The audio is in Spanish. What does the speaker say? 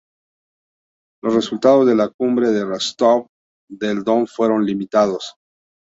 Los resultados de la cumbre de Rostov del Don fueron limitados.